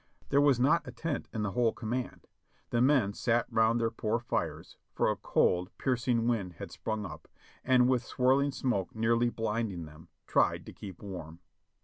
There was not a tent in the whole command. The men sat round their poor fires, for a cold, piercing wind had sprung up, and with whirling smoke nearly blinding them, tried to keep warm.